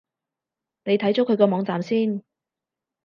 你睇咗佢個網站先